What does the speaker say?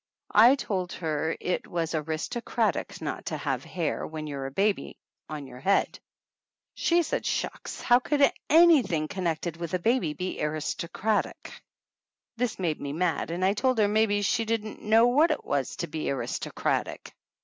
I told her it was aristocratic not to have hair when you're a baby, on your head. She said shucks ! how could anything connected with a baby be aristocratic? This made me mad and I told her maybe she didn't know what it was to be aristocratic.